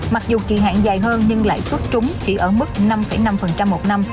mặc dù kỳ hạn dài hơn nhưng lãi suất trúng chỉ ở mức năm năm một năm